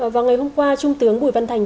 vào ngày hôm qua trung tướng bùi văn thành